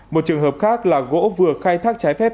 một trường hợp khác là gỗ vừa khai thác trái phép